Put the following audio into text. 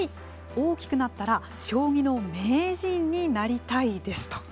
大きくなったら将棋の名人になりたいですと。